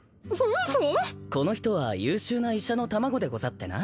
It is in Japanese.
この人は優秀な医者の卵でござってな。